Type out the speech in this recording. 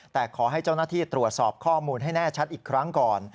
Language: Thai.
แต่ขอให้เจ้าหน้าที่ตรวจสอบข้อมูลให้แน่ชัดอีกครั้งก่อน